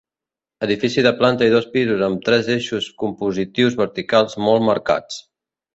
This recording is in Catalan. Edifici de planta i dos pisos amb tres eixos compositius verticals molt marcats.